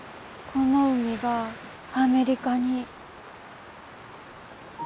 この海がアメリカに。